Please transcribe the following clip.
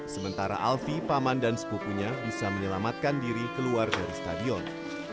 sementara alfie paman dan sepupunya bisa menyelamatkan diri keluar dari stadion